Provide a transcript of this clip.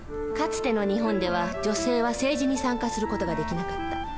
かつての日本では女性は政治に参加する事ができなかった。